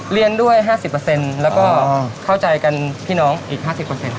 เรียนด้วย๕๐แล้วก็เข้าใจกันพี่น้องอีก๕๐